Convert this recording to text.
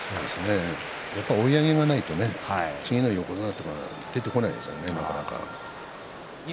やっぱり追い上げがないとね、次の横綱が出てこないですよねなかなか。